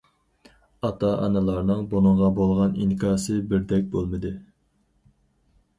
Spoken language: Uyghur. ئاتا- ئانىلارنىڭ بۇنىڭغا بولغان ئىنكاسى بىردەك بولمىدى.